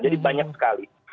jadi banyak sekali